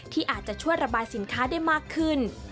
ที่อาจจะช่วยระบายสินค้าได้มากขึ้น